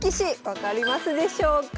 分かりますでしょうか？